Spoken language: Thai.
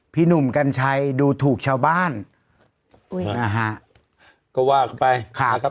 พี่หนุ่มกัญชัยดูถูกชาวบ้านอุ้ยนะฮะก็ว่ากันไปค่ะครับ